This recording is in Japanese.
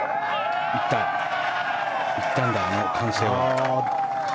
行ったんだ、あの歓声は。